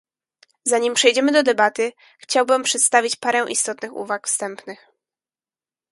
Zanim przejdziemy do debaty, chciałbym przedstawić parę istotnych uwag wstępnych